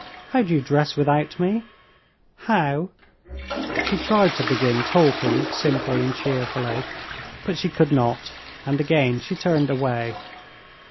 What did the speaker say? "How do you dress without me? How...." she tried to begin talking simply and cheerfully, but she could not, and again she turned away.